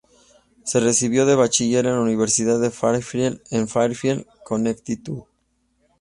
Se recibió de Bachiller en la Universidad de Fairfield en Fairfield, Connecticut.